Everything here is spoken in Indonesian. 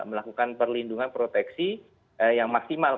melakukan perlindungan proteksi yang maksimal